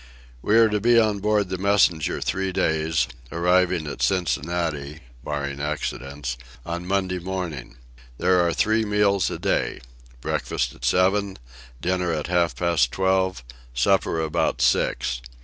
We are to be on board the Messenger three days: arriving at Cincinnati (barring accidents) on Monday morning. There are three meals a day. Breakfast at seven, dinner at half past twelve, supper about six.